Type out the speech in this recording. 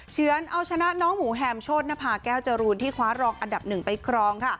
เชื้อนเอาชนะน้องหมูแห่มโชดนภาแก้วจรูนที่คว้ารองอันดับ๑ไปคลอง